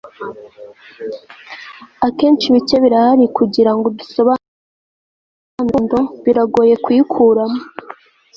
Akenshi bike birahari kugirango dusobanure imigenzo gakondo biragoye kuyikuramo